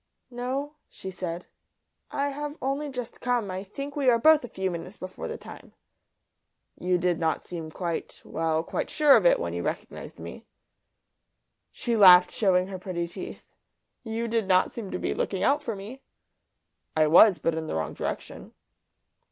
"No," she said, "I have only just come. I think we are both a few minutes before the time." "You did not seem quite well, quite sure of it when you recognised me." She laughed, showing her pretty teeth. "You did not seem to be looking out for me." "I was but in the wrong direction."